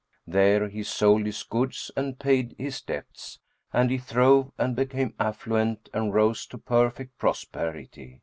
There he sold his goods and paid his debts; and he throve and became affluent and rose to perfect prosperity.